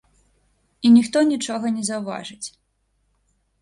І ніхто нічога не заўважыць.